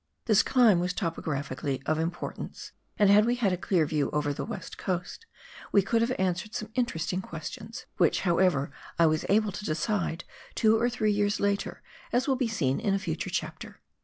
This climb was topographically of importance, and had we had a clear view over the West Coast, we could have answered some interesting questions, which, however, I was able to decide two or three years later, as will be seen in a future chapter.